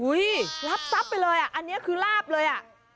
อุ๊ยรับทรัพย์ไปเลยอันนี้คือราบเลย